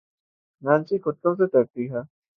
Nancy کتّوں سے درتی ہے